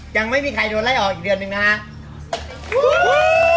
ยังไม่มีใครโดนไล่ออกอีกเดือนหนึ่งนะครับ